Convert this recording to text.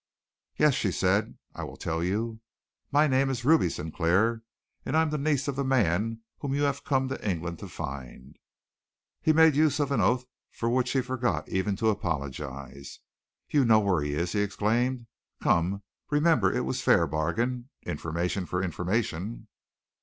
"Yes," she said, "I will tell you. My name is Ruby Sinclair, and I am the niece of the man whom you have come to England to find." He made use of an oath for which he forgot even to apologize. "You know where he is!" he exclaimed. "Come, remember it was a fair bargain. Information for information!"